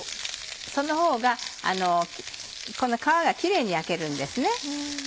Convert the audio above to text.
そのほうがこの皮がキレイに焼けるんです。